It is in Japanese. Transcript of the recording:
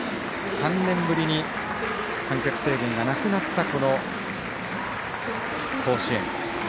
３年ぶりに観客制限がなくなった甲子園。